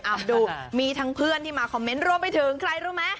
เอาดูมีทั้งเพื่อนที่มาคอมเมนต์รวมไปถึงใครรู้ไหม